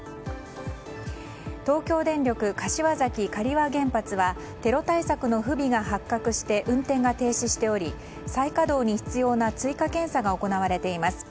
東京電力柏崎刈羽原発はテロ対策の不備が発覚して運転が停止しており再稼働に必要な追加検査が行われています。